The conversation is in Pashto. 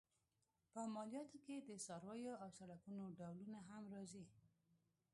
په مالیاتو کې د څارویو او سړکونو ډولونه هم راځي.